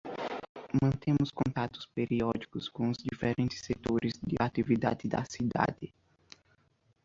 Mantemos contatos periódicos com os diferentes setores de atividade da cidade.